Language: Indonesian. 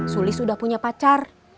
sulis udah punya pacar